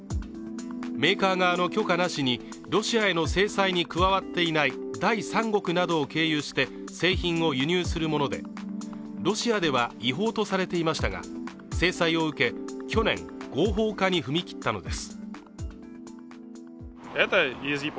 メーカー側の許可なしにロシアへの制裁に加わっていない第三国などを経由して製品を輸入するもので、ロシアでは違法とされていましたが制裁を受け、去年、合法化に踏み切ったのです。